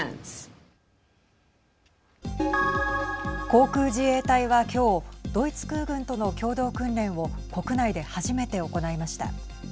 航空自衛隊は今日ドイツ空軍との共同訓練を国内で初めて行いました。